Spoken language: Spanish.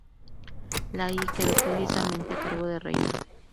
La I quedó, precisamente a cargo de Reyna.